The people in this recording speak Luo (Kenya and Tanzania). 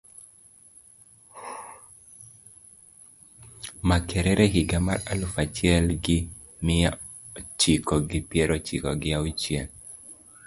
Makerere higa mar aluf achiel gi miya chiko gi piero chiko gi auchiel